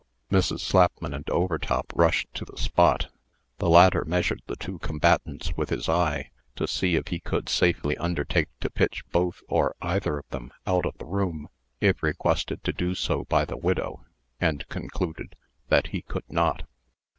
Mrs. Slapman and Overtop rushed to the spot. The latter measured the two combatants with his eye, to see if he could safely undertake to pitch both, or either of them, out of the room, if requested so to do by the widow, and concluded that he could not.